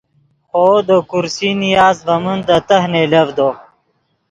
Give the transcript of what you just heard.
خوو دے کرسی نیاست ڤے من دے تہہ نئیلڤدو